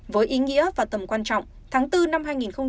với ý nghĩa và tầm quan trọng tháng bốn năm hai nghìn một mươi ba